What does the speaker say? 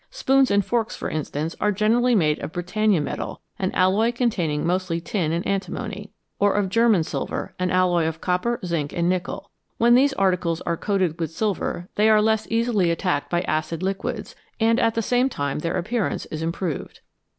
Spoons and forks, for instance, are generally made of Britannia metal, an alloy containing mostly tin and antimony, or of German silver, an alloy of copper, zinc, and nickel ; when these articles are coated with silver they are less easily attacked by acid liquids, and at the same time their appearance is improved.